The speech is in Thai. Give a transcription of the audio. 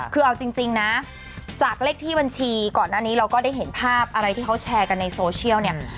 คือเอาจริงนะจากเลขที่บัญชีก่อนหน้านี้เราก็ได้เห็นภาพอะไรที่เขาแชร์กันในโซเชียลเนี่ย